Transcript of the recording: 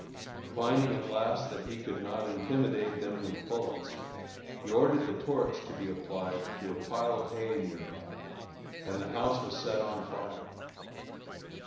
Finding at last that he could not intimidate them with bullets, he ordered the torch to be applied to a pile of hay near by, and the house was set on fire.